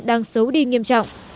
đang xấu đi nghiêm trọng